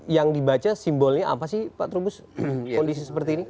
yang dibaca simbolnya apa sih pak trubus kondisi seperti ini